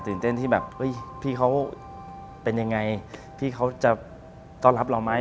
เต้นที่แบบเฮ้ยพี่เขาเป็นยังไงพี่เขาจะต้อนรับเราไหม